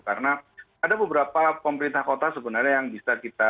karena ada beberapa pemerintah kota sebenarnya yang tidak bisa dikebijakan